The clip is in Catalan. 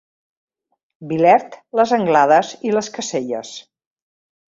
Vilert, Les Anglades i Les Caselles.